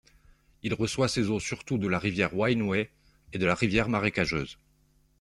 Il reçoit ses eaux surtout de la rivière Winneway et de la rivière Marécageuse.